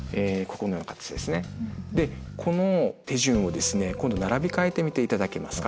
この手順をですね今度並べ替えてみていただけますか？